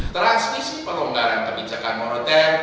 transmisi perlenggaran kebijakan monotel